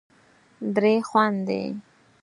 درې خوندې